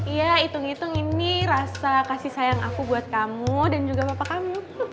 iya hitung hitung ini rasa kasih sayang aku buat kamu dan juga bapak kamu